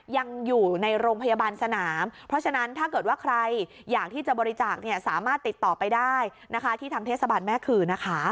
ยังอยู่ในโรงพยาบาลสนามเพราะฉะนั้นถ้าเกิดว่าใครอยากที่จะบริจาคสามารถติดต่อไปได้นะคะที่ทางเทศบาลแม่ขือนะคะ